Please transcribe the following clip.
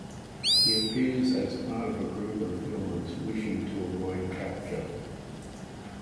He appears as part of a group of villains wishing to avoid capture.